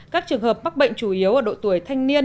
các trường hợp mắc bệnh chủ yếu ở độ tuổi thanh niên